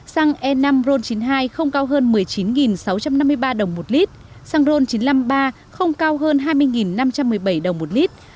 xăng e năm ron chín mươi hai không cao hơn một mươi chín sáu trăm năm mươi ba đồng một lít xăng ron chín trăm năm mươi ba không cao hơn hai mươi năm trăm một mươi bảy đồng một lít